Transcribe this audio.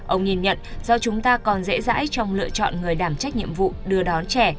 ông nhìn nhận do chúng ta còn dễ dãi trong lựa chọn người đảm trách nhiệm vụ đưa đón trẻ